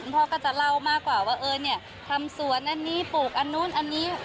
พ่อก็จะเล่ามากกว่าว่าเออเนี่ยทำสวนอันนี้ปลูกอันนู้นอันนี้